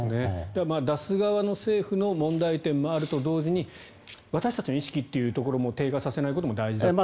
だから出す側の政府の問題点もあると同時に私たちの意識というところも低下させないことも大事だと。